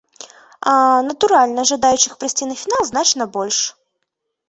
А, натуральна, жадаючых прыйсці на фінал значна больш.